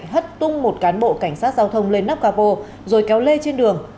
hất tung một cán bộ cảnh sát giao thông lên nắp cà bồ rồi kéo lê trên đường